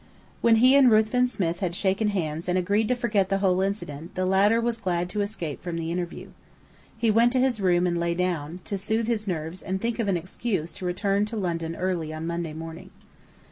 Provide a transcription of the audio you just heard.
When he and Ruthven Smith had shaken hands and agreed to forget the whole incident the latter was glad to escape from the interview. He went to his room and lay down, to soothe his nerves and think of an excuse to return to London early on Monday morning.